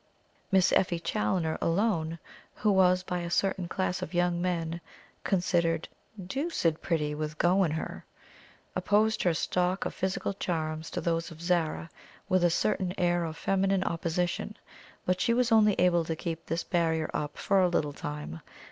Miss Effie Challoner alone, who was, by a certain class of young men, considered "doocid pretty, with go in her," opposed her stock of physical charms to those of Zara, with a certain air of feminine opposition; but she was only able to keep this barrier up for a little time.